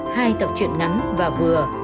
hai tập truyện ngắn và vừa